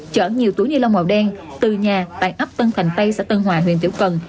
chở nhiều túi nilon màu đen từ nhà tại ấp tân thành tây xã tân hòa huyền tiểu cần